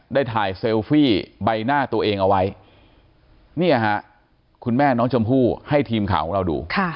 ได้ถ่ายเซลฟี่ใบหน้าตัวเองเอาไว้เนี่ยฮะคุณแม่น้องชมพู่ให้ทีมข่าวของเราดู